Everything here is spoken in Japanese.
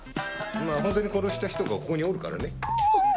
まあ本当に殺した人がここにおるからね。